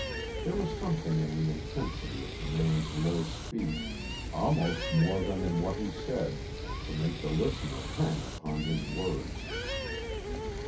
There was something in the intensity of the man's low speech, almost more than in what he said, to make the listener hang upon his words.